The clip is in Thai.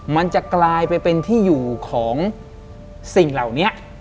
มันจะกลายไปเป็นที่อยู่ของสิ่งเหล่านี้